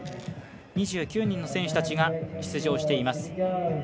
２９人の選手たちが出場しています。